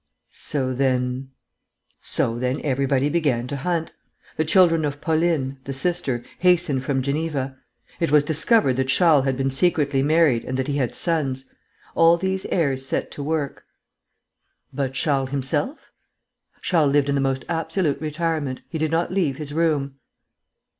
"So then ...?" "So then everybody began to hunt. The children of Pauline, the sister, hastened from Geneva. It was discovered that Charles had been secretly married and that he had sons. All these heirs set to work." "But Charles himself?" "Charles lived in the most absolute retirement. He did not leave his room."